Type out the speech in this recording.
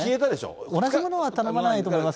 同じものは頼まないと思いますよ。